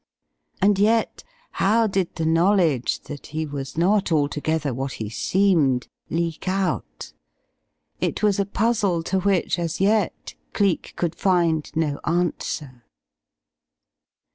And yet, how did the knowledge, that he was not altogether what he seemed, leak out? It was a puzzle to which, as yet, Cleek could find no answer.